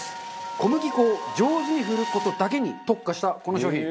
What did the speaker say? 小麦粉を上手に振る事だけに特化したこの商品。